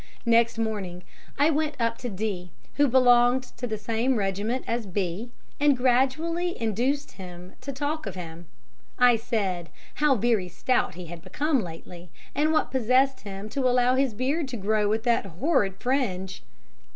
"Next morning I went up to D., who belonged to the same regiment as B., and gradually induced him to talk of him. I said, 'How very stout he had become lately, and what possessed him to allow his beard to grow with that horrid fringe?'